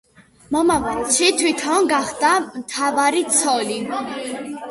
მომავალში თვითონ გახდა მთავარი ცოლი.